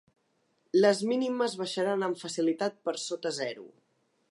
Les mínimes baixaran amb facilitat per sota zero.